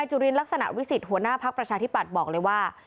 จุลินลักษณะวิสิทธิหัวหน้าพักประชาธิปัตย์บอกเลยว่า